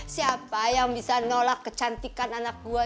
siapa yang bisa nolak kecantikan anak gue